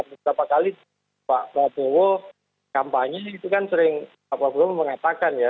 beberapa kali pak prabowo kampanye itu kan sering pak prabowo mengatakan ya